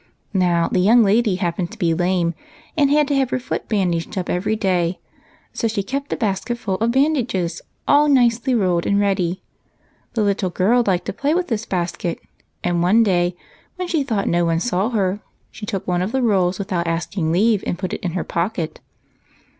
Now, the young lady happened to be lame, and had to have her foot bandaged up every day; so she kept a basketful of bandages, all nicely rolled and ready. The little girl liked to play with this basket, and one day, when she thought no one saw her, she took one of the rolls with out asking leave, and put it in her pocket."